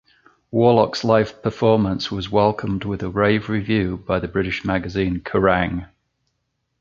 Warlock's live performance was welcomed with a rave review by the British magazine Kerrang!